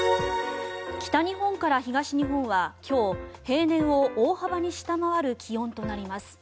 北日本から東日本は今日平年を大幅に下回る気温となります。